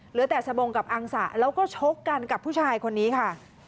เหลือแต่สบงกับอังสะแล้วก็ชกกันกับผู้ชายคนนี้ค่ะ